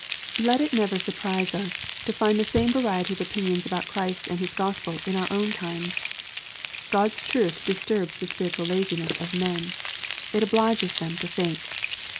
Let it never surprise us, to find the same variety of opinions about Christ and His Gospel in our own times, God's truth riistnrh a the sp iritual laziness of men. It obliges them to think.